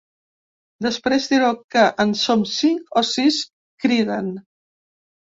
Després direu que en som cinc o sis, criden.